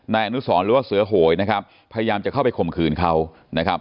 นายอนุสรหรือว่าเสือโหยนะครับพยายามจะเข้าไปข่มขืนเขานะครับ